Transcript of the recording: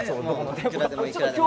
いくらでもいくらでも。